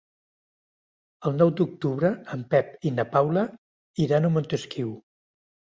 El nou d'octubre en Pep i na Paula iran a Montesquiu.